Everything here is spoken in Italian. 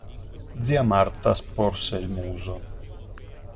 Zia Marta sporse il muso.